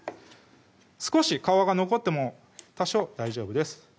少し皮が残っても多少大丈夫です